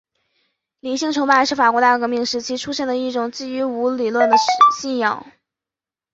理性崇拜是法国大革命时期出现的一种基于无神论的信仰。